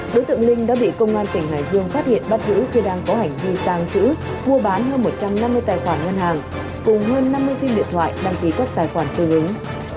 đối tượng linh đã bị công an tỉnh hải dương phát hiện bắt giữ khi đang có hành vi tàng trữ mua bán hơn một trăm năm mươi tài khoản ngân hàng cùng hơn năm mươi sim điện thoại đăng ký các tài khoản tương ứng